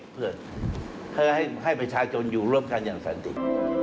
เพื่อให้ประชาชนอยู่ร่วมกันอย่างสันติ